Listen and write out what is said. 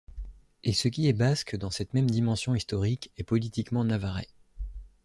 Et ce qui est basque, dans cette même dimension historique, est politiquement navarrais.